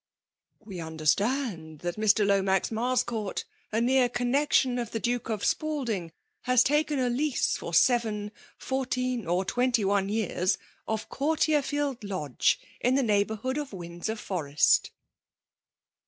'*" We understand th^t Mr. Lomax Marscourt ^a near connexion of the Duke of Spalding) has taken a lease for seven, fourteen^ or twdnty oae years, of Courtierfield Lddge, in the neighbourhood of Windsor Forest.'